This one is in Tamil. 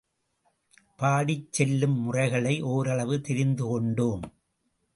பாடிச் செல்லும் முறைகளை ஒரளவு தெரிந்து கொண்டோம்.